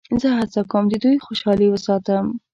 زه هڅه کوم د دوی خوشحالي وساتم.